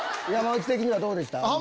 山内的にはどうでした？